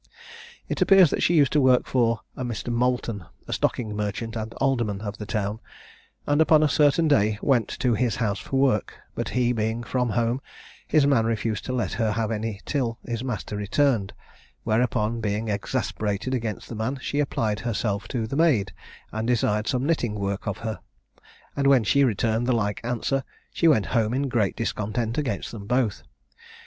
It appears that she used to work for Mr. Moulton (a stocking merchant, and alderman of the town), and upon a certain day went to his house for work; but he being from home, his man refused to let her have any till his master returned; whereupon, being exasperated against the man, she applied herself to the maid, and desired some knitting work of her; and when she returned the like answer, she went home in great discontent against them both.